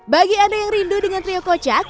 bagi anda yang rindu dengan trio kocak